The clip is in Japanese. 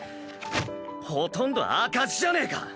ほとんど赤字じゃねぇか！